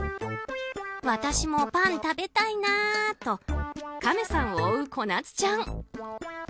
私もパン食べたいなあとカメさんを追うこなつちゃん。